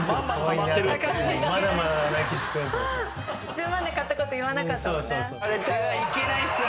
１０万で買ったこと言わなかったもんね。